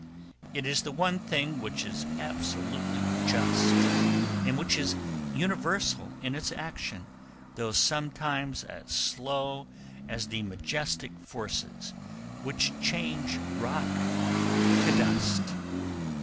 It is the one thing which is absolutely just and which is universal in its action, though sometimes as slow as the majestic forces which change rock to dust.